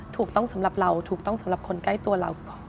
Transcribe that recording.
ถูกต้องสำหรับเราถูกต้องสำหรับคนใกล้ตัวเรา